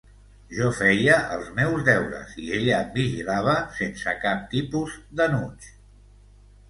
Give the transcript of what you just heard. Jo feia els meus deures i ella em vigilava sense cap tipus d’enuig...